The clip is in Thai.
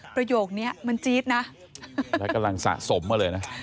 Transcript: ประโยคนี้มันจี๊ดนะแล้วกำลังสะสมมาเลยนะ